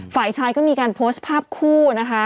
ฝ่ายชายก็มีการโพสต์ภาพคู่นะคะ